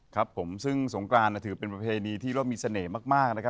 ครับผมซึ่งสงกราณถือเป็นระเพนีที่มีเสน่ห์มาก